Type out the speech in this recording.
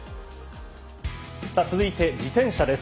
続いて自転車です。